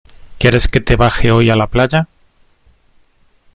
¿ quieres que te baje hoy a la playa?